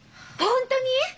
本当に！？